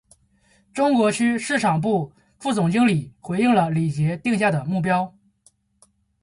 中国区市场部副总经理回应了李杰定下的目标